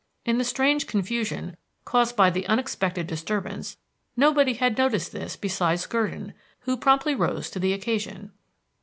In the strange confusion caused by the unexpected disturbance, nobody had noticed this besides Gurdon, who promptly rose to the occasion.